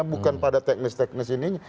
bukan pada teknis teknis ini